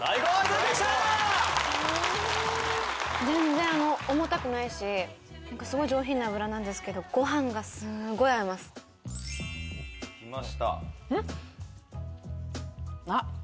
全然重たくないしすごい上品な脂なんですけどご飯がすごい合います。